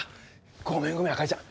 ごめんごめんあかりちゃん